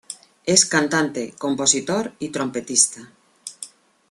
Es cantante, compositor y trompetista.